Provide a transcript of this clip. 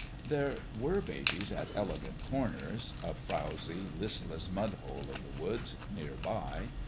There were babies at Elegant Corners a frowzy, listless mud hole of the woods, near by.